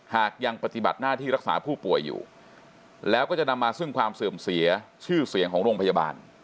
หากยังปฏิบัติหน้าที่รักษาผู้ป่วยอยู่แล้วก็จะนำมาซึ่งความเสื่อมเสียชื่อเสียงของโรงพยาบาล